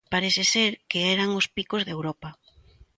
Parece ser que eran os Picos de Europa.